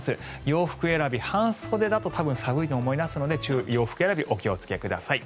洋服選び、半袖だと多分寒いと思いますので洋服選びお気をつけください。